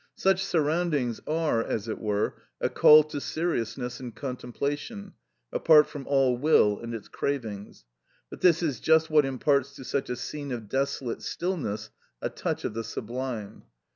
Such surroundings are, as it were, a call to seriousness and contemplation, apart from all will and its cravings; but this is just what imparts to such a scene of desolate stillness a touch of the sublime.